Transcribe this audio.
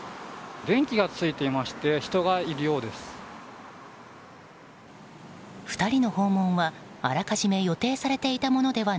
電気がついていまして人がいるようです。